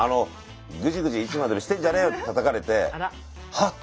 「ぐじぐじいつまでもしてんじゃねえよ」ってたたかれてハッと。